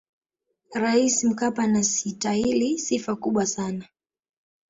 raisi mkapa anasitahili sifa kubwa sana